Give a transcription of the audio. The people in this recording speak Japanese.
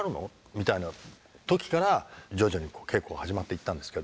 みたいな時から徐々に稽古が始まっていったんですけど。